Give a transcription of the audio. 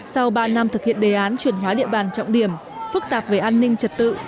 sau ba năm thực hiện đề án chuyển hóa địa bàn trọng điểm phức tạp về an ninh trật tự